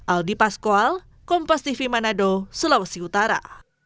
aldi paskwal kompastv manado sulawesi utara